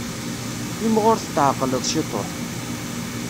Imɣur tetεeqqleḍ ciṭuḥ.